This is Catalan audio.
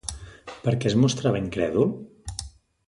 Per què es mostrava incrèdul?